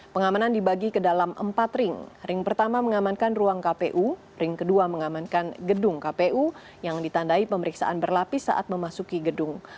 pengamanan dibagi ke dalam empat ring ring pertama mengamankan ruang kpu ring kedua mengamankan gedung kpu yang ditandai pemeriksaan berlapis saat memasuki gedung